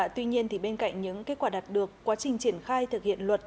tuy nhiên bên cạnh những kết quả đạt được quá trình triển khai thực hiện luật